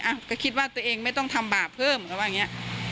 ก็คิดว่าตัวเองไม่ต้องทำบาปเพิ่มก็ว่าอย่างนี้